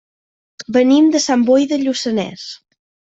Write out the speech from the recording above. Venim de Sant Boi de Lluçanès.